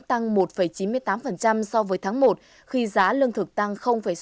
tăng một chín mươi tám so với tháng một khi giá lương thực tăng sáu mươi sáu